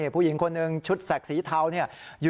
ผู้หญิงคนหนึ่งชุดแสกสีเทาเนี่ย